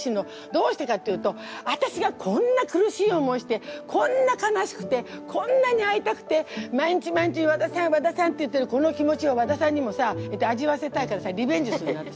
どうしてかっていうと私がこんな苦しい思いしてこんな悲しくてこんなに会いたくて毎日毎日「和田さん和田さん」って言ってるこの気持ちを和田さんにもさ味わわせたいからさリベンジするの私は。